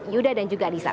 yuda dan juga anissa